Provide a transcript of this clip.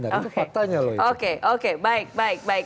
itu faktanya loh oke oke baik baik